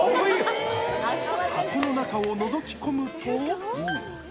箱の中をのぞき込むと。